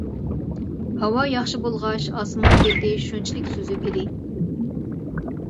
ھاۋا ياخشى بولغاچ ئاسمان بېتى شۇنچىلىك سۈزۈك ئىدى.